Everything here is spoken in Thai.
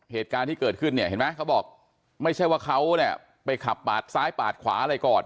เหตุการณ์ที่เกิดขึ้นเขาบอกไม่ใช่ว่าเขาไปขับปากซ้ายปากขวาอะไรก่อน